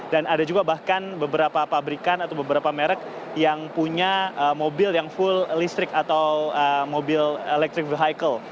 dan ada juga bahkan beberapa pabrikan atau beberapa merek yang punya mobil yang full listrik atau mobil